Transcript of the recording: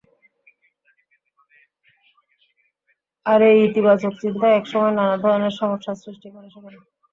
তার এই ইতিবাচক চিন্তাই একসময় নানা ধরনের সমস্যার সৃষ্টি করে সেখানে।